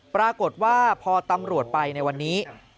ปรากฏว่าพอตำรวจไปในวันนี้